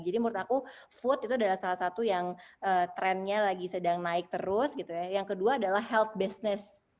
jadi menurut aku food itu adalah salah satu yang trendnya lagi sedang naik terus gitu ya yang kedua adalah health business